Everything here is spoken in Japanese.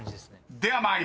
［では参ります。